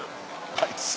あいつ。